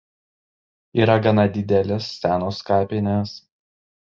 Yra gana didelės senos kapinės.